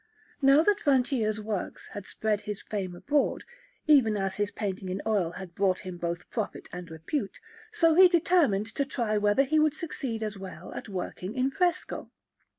Now that Francia's works had spread his fame abroad, even as his painting in oil had brought him both profit and repute, so he determined to try whether he would succeed as well at working in fresco.